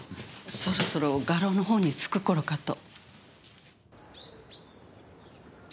そろそろ画廊のほうに着く頃かと。